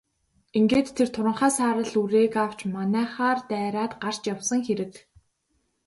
Ингээд тэр туранхай саарал үрээг авч манайхаар дайраад гарч явсан хэрэг.